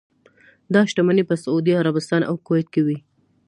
دا شتمنۍ په سعودي عربستان او کویټ کې وې.